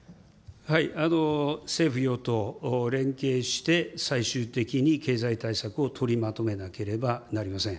政府・与党連携して、最終的に経済対策を取りまとめなければなりません。